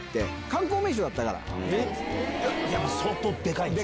相当でかいんでしょ？